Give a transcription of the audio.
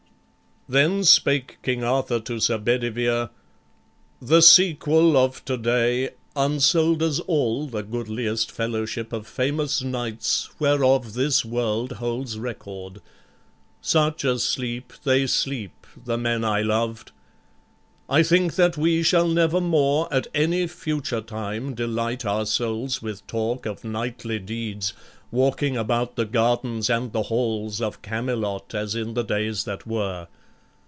Then spake King Arthur to Sir Bedivere: "The sequel of today unsolders all The goodliest fellowship of famous knights Whereof this world holds record. Such a sleep They sleep the men I loved. I think that we Shall never more, at any future time, Delight our souls with talk of knightly deeds, Walking about the gardens and the halls Of Camelot, as in the days that were.